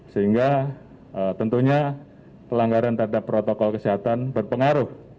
sehingga tentunya pelanggaran terhadap protokol kesehatan berpengaruh